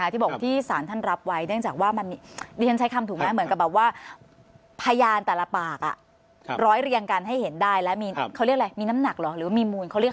ที่บอกว่าที่ศาลท่านรับไว้เนื่องจากว่ามันมี